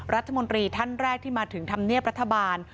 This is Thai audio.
รัฐมนตรีท่านแรกที่มาถึงธรรมเนียบรัฐบาล